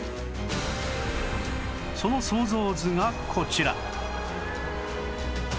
その想像図がこちら